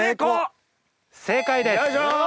正解です！